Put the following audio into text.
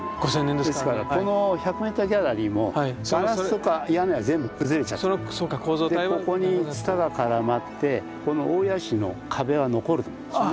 ですからこの１００メートルギャラリーもガラスとか屋根は全部崩れちゃってここにツタが絡まってこの大谷石の壁は残ると思うんですよね。